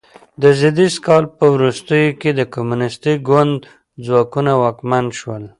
د ز کال په وروستیو کې د کمونیستي ګوند ځواکونه واکمن شول.